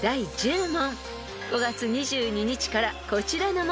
［５月２２日からこちらの問題］